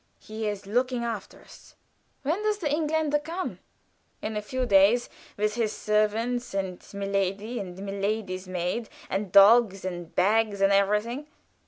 He is looking after us." "When does the Engländer come?" "In a few days, with his servants and milady, and milady's maid and dogs and bags and everything.